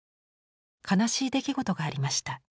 悲しい出来事がありました。